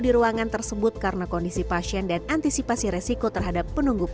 di ruangan tersebut karena kondisi pasien dan antisipasi resiko terhadap penunggulan